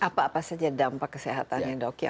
apa apa saja dampak kesehatannya dok ya